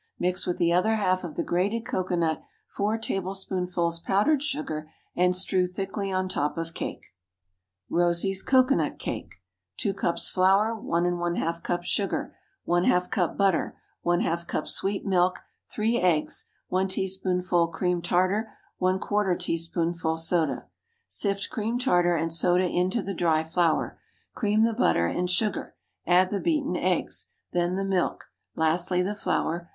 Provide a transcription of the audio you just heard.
Mix with the other half of the grated cocoanut four tablespoonfuls powdered sugar, and strew thickly on top of cake. ROSIE'S COCOANUT CAKE. 2 cups flour. 1½ cups sugar. ½ cup butter. ½ cup sweet milk. 3 eggs. 1 teaspoonful cream tartar. ¼ teaspoonful soda. Sift cream tartar and soda into the dry flour; cream the butter and sugar; add the beaten eggs, then the milk; lastly the flour.